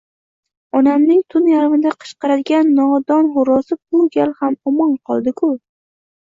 onamning tun yarmida qichqiradigan nodon xo’rozi bu gal ham omon qoldi-ku.